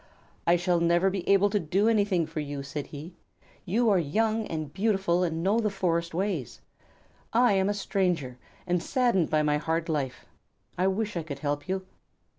"I shall never be able to do anything for you," said he. "You are young and beautiful and know the forest ways. I am a stranger and saddened by my hard life. I wish I could help you."